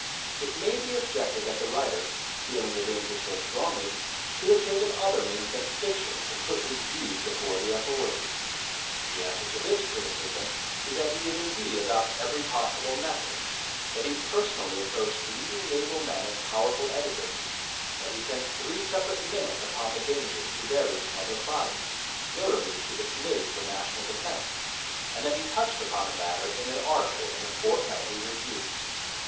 It may be objected that the writer, feeling the danger so strongly, should have taken other means than fiction to put his views before the authorities. The answer to this criticism is that he did indeed adopt every possible method, that he personally approached leading naval men and powerful editors, that he sent three separate minutes upon the danger to various public bodies, notably to the Committee for National Defence, and that he touched upon the matter in an article in The Fortnightly Review.